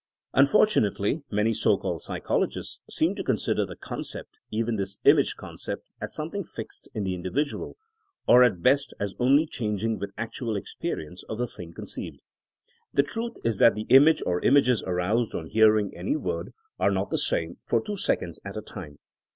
Unfortunately many so called psychologists seem to consider the concept, even this image concept, as something fixed in the individual, or at best as only changing with actual experience of the thing conceived. The truth is that the image or images aroused on hearing any word are not the same for two seconds at a time.